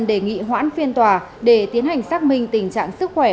đề nghị hoãn phiên tòa để tiến hành xác minh tình trạng sức khỏe